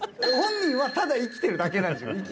本人はただ生きてるだけなんですよ。